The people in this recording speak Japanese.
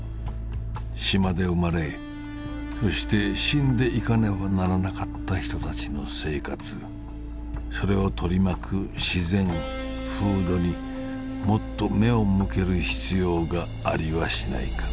島で生まれそして死んでいかねばならなかった人たちの生活それを取り巻く自然・風土にもっと眼を向ける必要がありはしないか」。